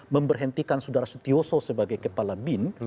memberhentikan sudara setioso sebagai kepala bin